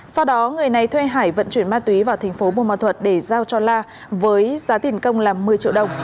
sau đó người này thuê hải vận chuyển ma túy vào tp bùn ma thuật để giao cho la với giá tiền công là một mươi triệu đồng